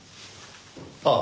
ああ。